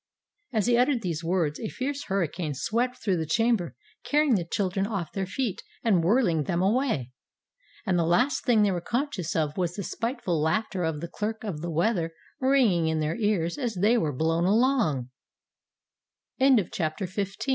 As he uttered these words, a fierce hurricane swept through the chamber, carrying the children off their feet, and whirling them away! And the last thing they were conscious of was the spiteful laughter of the Clerk of the Weather ringing in thei